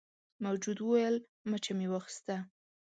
موجود وویل مچه مې واخیسته.